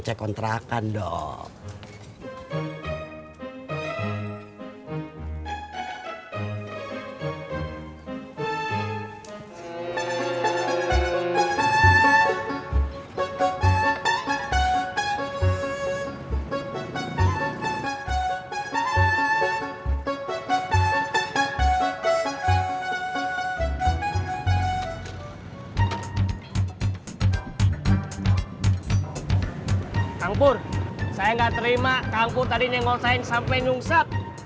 ke komplek harapan lama